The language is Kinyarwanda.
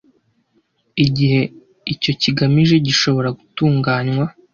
igihe icyo kigamije gishobora gutunganywa